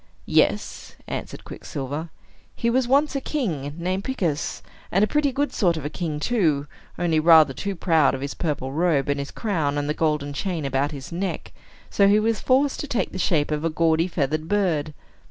"Yes," answered Quicksilver. "He was once a king, named Picus, and a pretty good sort of a king, too, only rather too proud of his purple robe, and his crown, and the golden chain about his neck; so he was forced to take the shape of a gaudy feathered bird.